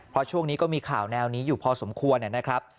เพราะช่วงนี้ก็มีข่าวแนวนี้อยู่พอสมควรนะครับ